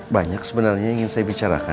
banyak sebenarnya yang ingin saya bicarakan